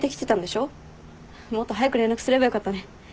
もっと早く連絡すればよかったね。